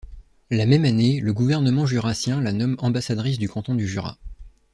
La même année, le gouvernement jurassien la nomme ambassadrice du canton du Jura.